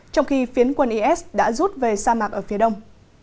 trong khi phiến quân is đã rút về sa mạc ở phía đông